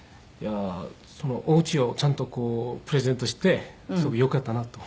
そのお家をちゃんとこうプレゼントしてすごくよかったなと。